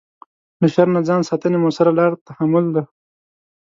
له شر نه ځان ساتنې مؤثره لاره تحمل ده.